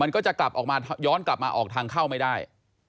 มันก็จะกลับออกมาย้อนกลับมาออกทางเข้าไม่ได้